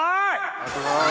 ありがとうございます。